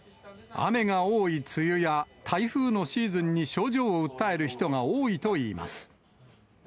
雨が多い梅雨や、台風のシーズンに症状を訴える人が多いといいます。